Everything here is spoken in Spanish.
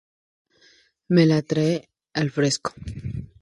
Me la trae al fresco